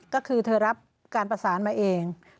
ก็คือเธอรับการประสานมาเอง